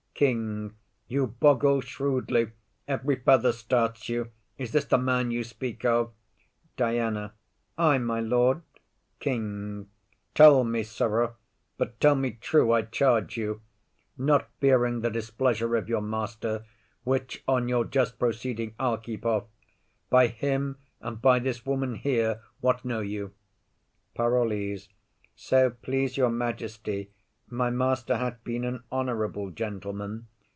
KING. You boggle shrewdly; every feather starts you. Is this the man you speak of? DIANA. Ay, my lord. KING. Tell me, sirrah, but tell me true I charge you, Not fearing the displeasure of your master, Which on your just proceeding, I'll keep off,— By him and by this woman here what know you? PAROLLES. So please your majesty, my master hath been an honourable gentleman.